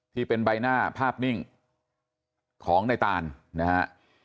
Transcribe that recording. ที่เป็นใบหน้าภาพนิ่งของในตานนะฮะ